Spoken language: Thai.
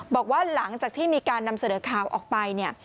บอกว่าหลังจากที่มีการนำเสนอข่าวออกไปเนี่ย